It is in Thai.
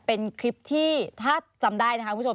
เป็นคลิปที่ถ้าจำได้นะคะคุณผู้ชม